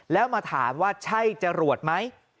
แล้วมาถามว่าใช่จรวดไหม